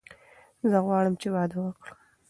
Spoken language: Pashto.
زه غواړم چې واده وکړم.